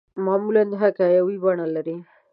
معمولاً حکایوي بڼه لري.